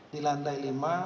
di lantai lima